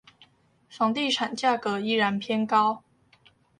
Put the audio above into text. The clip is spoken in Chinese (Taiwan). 房地產價格依然偏高